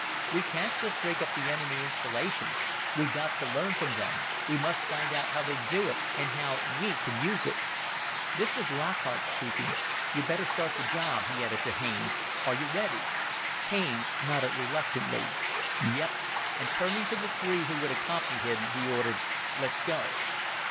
We can't just break up the enemy installations we've got to learn from them, we must find out how they do it and how we can use it." This was Lockhart speaking. "You'd better start the job," he added to Haines. "Are you ready?" Haines nodded reluctantly. "Yep," and turning to the three who would accompany him, he ordered, "let's go."